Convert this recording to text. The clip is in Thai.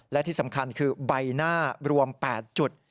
และที่สำคัญคือใบหน้ารวม๘จุด